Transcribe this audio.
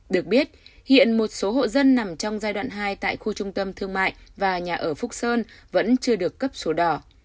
được biết hiện một số hộ dân nằm trong giai đoạn hai tại khu trung tâm thương mại và nhà ở phúc sơn vẫn chưa được cấp số đỏ